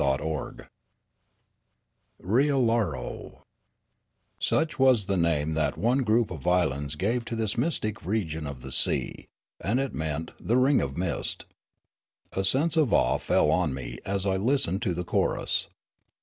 CHAPTER II RIAIvLARO SUCH was the name that one group of islands gave to this mystic region of the sea ; and it meant " the ring of mist." A sense of awe fell on me as I listened to the chorus.